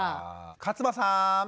勝間さん。